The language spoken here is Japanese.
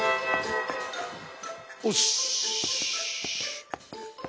おし！